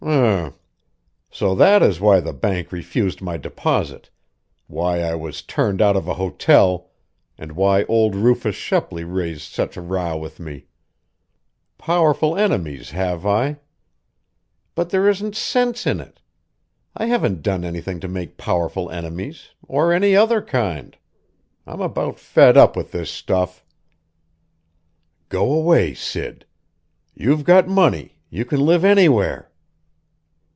"Um! So that is why the bank refused my deposit, why I was turned out of a hotel, and why old Rufus Shepley raised such a row with me! Powerful enemies, have I? But there isn't sense in it! I haven't done anything to make powerful enemies, or any other kind. I'm about fed up with this stuff!" "Go away, Sid. You've got money you can live anywhere!"